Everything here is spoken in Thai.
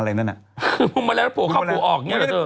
อะไรนั่นอ่ะบุมแมลงพูดออก